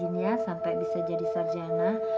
yang rajin ya sampai bisa jadi sarjana